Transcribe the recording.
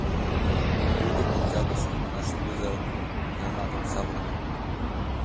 Тудым Октябрьский манаш нигузе ок лий — йылмат ок савырне.